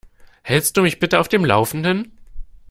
Hältst du mich bitte auf dem Laufenden?